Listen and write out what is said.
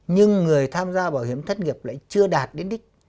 nhưng người tham gia bảo hiểm thất nghiệp lại chưa đạt đến đích